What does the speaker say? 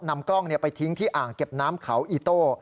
นำกล้องไปทิ้งที่อ่างเก็บน้ำเขาอีโต้